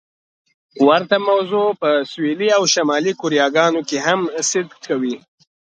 ورته موضوع په سویلي او شمالي کوریاګانو کې هم صدق کوي.